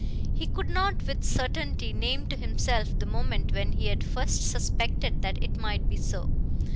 He could not with certainty name to himself the moment when he had first suspected that it might be so.